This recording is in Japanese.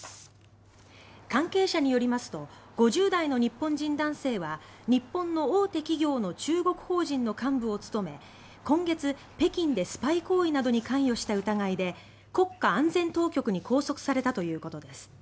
関係者によりますと５０代の日本人男性は日本の大手企業の中国法人の幹部を務め今月北京でスパイ行為などに関与した疑いで国家安全当局に拘束されたということです。